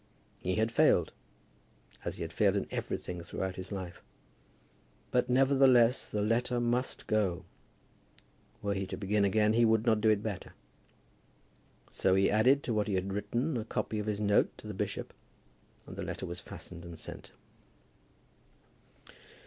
He had failed, as he had failed in everything throughout his life; but nevertheless the letter must go. Were he to begin again he would not do it better. So he added to what he had written a copy of his note to the bishop, and the letter was fastened and sent.